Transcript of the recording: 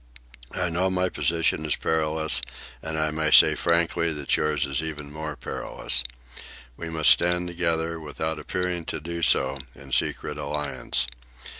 I know my position is perilous, and I may say frankly that yours is even more perilous. We must stand together, without appearing to do so, in secret alliance.